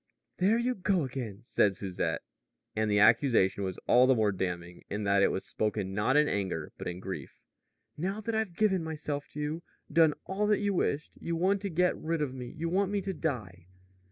"There you go again," said Susette, and the accusation was all the more damning in that it was spoken not in anger, but in grief. "Now that I've given myself to you done all that you wished you want to get rid of me; you want me to die."